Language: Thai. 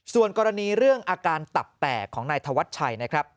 ส่วนกรณีเรื่องอาการตับแตกของนายธวัชชัยนะครับ